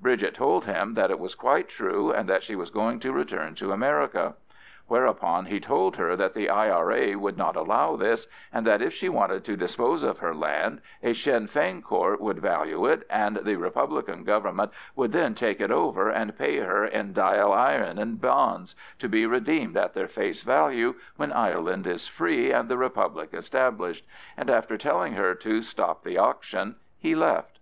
Bridget told him that it was quite true, and that she was going to return to America. Whereupon he told her that the I.R.A. would not allow this, and that if she wanted to dispose of her land a Sinn Fein Court would value it, and the Republican Government would then take it over and pay her in Dail Eireann Bonds (to be redeemed at their face value when Ireland is free and the Republic established), and after telling her to stop the auction he left.